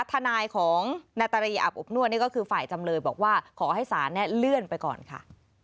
ทนายของนาตรีอาบอบนวดนี่ก็คือฝ่ายจำเลยบอกว่าขอให้ศาลเลื่อนไปก่อนค่ะ